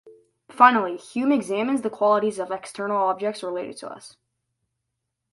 Finally, Hume examines the qualities of external objects related to us.